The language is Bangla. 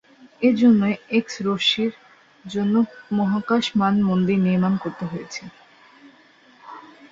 এজন্যই এক্স-রশ্মির জন্য মহাকাশ মানমন্দির নির্মাণ করতে হয়েছে।